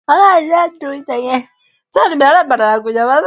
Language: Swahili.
Ambapo tarehe thelathini na moja mwezi wa saba